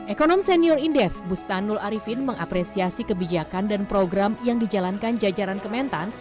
ekonom senior indef bustanul arifin mengapresiasi kebijakan dan program yang dijalankan jajaran kementan